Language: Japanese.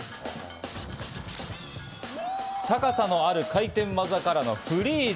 高さのある回転技からのフリーズ。